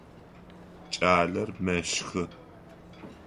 Кӏалэр мэщхы.